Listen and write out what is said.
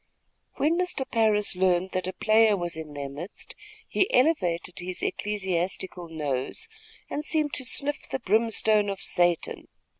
When Mr. Parris learned that a player was in their midst, he elevated his ecclesiastical nose, and seemed to sniff the brimstone of Satan.